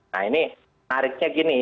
nah ini menariknya gini